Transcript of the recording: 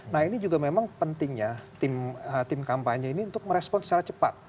nah ini juga memang penting ya tim kampanye ini untuk merespon secara cepat